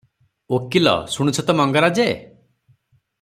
ଓକିଲ - "ଶୁଣୁଛ ତ ମଙ୍ଗରାଜେ!